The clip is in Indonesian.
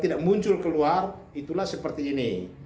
tidak muncul keluar itulah seperti ini